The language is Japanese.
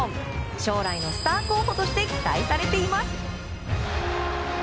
将来のスター候補として期待されています。